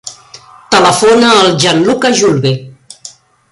Telefona al Gianluca Julve.